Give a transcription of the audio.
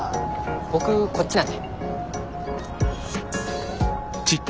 僕こっちなんで。